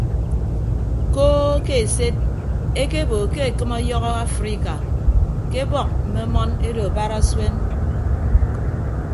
Koo ke esed ekebo ke ekịm ọyọhọ afrika ke ebọk mme ọmọn edo barasuen.